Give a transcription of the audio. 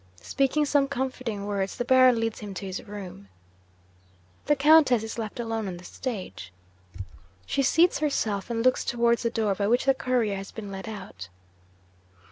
'Speaking some comforting words, the Baron leads him to his room. The Countess is left alone on the stage. 'She seats herself, and looks towards the door by which the Courier has been led out.